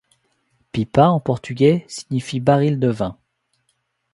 Pipa en portugais signifie baril de vin.